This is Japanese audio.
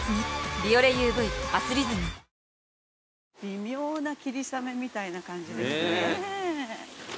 微妙な霧雨みたいな感じですね。